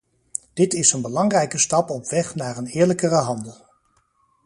Dit is een belangrijke stap op weg naar een eerlijkere handel.